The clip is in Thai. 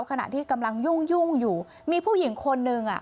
ขณะที่กำลังยุ่งยุ่งอยู่มีผู้หญิงคนนึงอ่ะ